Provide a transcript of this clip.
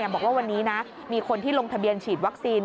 บอกว่าวันนี้นะมีคนที่ลงทะเบียนฉีดวัคซีน